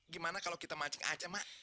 gimana kalau kita mancing saja mak